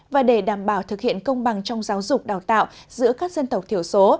và để đảm bảo thực hiện công bằng trong giáo dục đào tạo giữa các dân tộc thiểu số